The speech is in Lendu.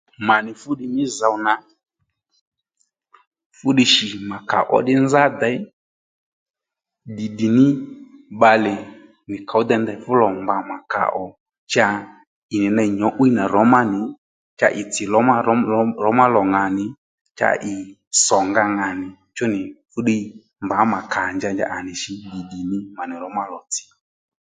Mà nì fúddiy mí zòw nà fúddiy shì mà kàó ddí nzá děy ddì ddì ní bbalè nì kow dey ndey fú lò mbǎ mà kàò cha ì nì ney nyǔ'wiy nà rǒmá nì cha ì tsì rómà mama má lò ŋà nì cha ì sò nga ŋà nì chú nì fúddiy mbǎ mà kǎ njanja à nì shǐ ddì ddì ní mà nì rǒmá lò tsǐ